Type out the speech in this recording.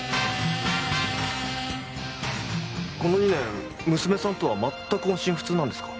この２年娘さんとは全く音信不通なんですか？